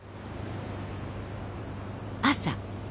朝。